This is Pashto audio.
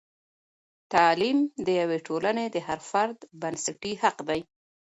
تعلیم د یوې ټولنې د هر فرد بنسټي حق دی.